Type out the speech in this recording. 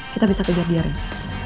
kita bisa kejar dia hari ini